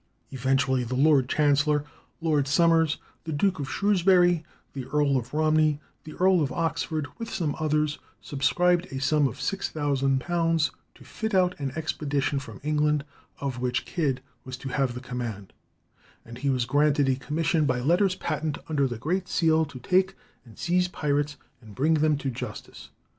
Eventually the Lord Chancellor, Lord Somers, the Duke of Shrewsbury, the Earl of Romney, the Earl of Oxford, with some others, subscribed a sum of £6,000 to fit out an expedition from England, of which Kidd was to have the command; and he was granted a commission by letters patent under the great seal to take and seize pirates, and bring them to justice.